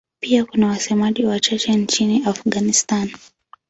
Pia kuna wasemaji wachache nchini Afghanistan.